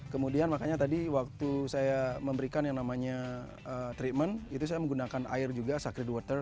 kemudian makanya tadi waktu saya memberikan yang namanya treatment itu saya menggunakan air juga sacret water